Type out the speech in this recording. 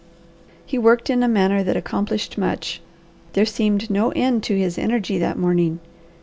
He worked in a manner that accomplished much. There seemed no end to his energy that morning.